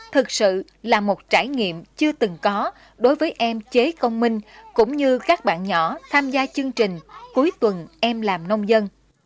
thực sự là một trải nghiệm chưa từng có đối với em chế công minh cũng như các bạn nhỏ tham gia chương trình cuối tuần em làm nông dân